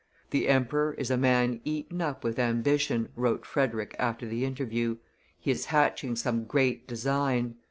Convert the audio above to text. "The emperor is a man eaten up with ambition," wrote Frederick after the interview; "he is hatching some great design.